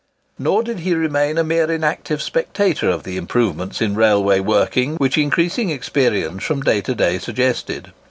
Nor did he remain a mere inactive spectator of the improvements in railway working which increasing experience from day to day suggested.